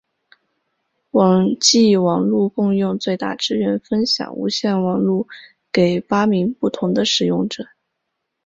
网际网路共用最大支援分享无线网路给八名不同的使用者。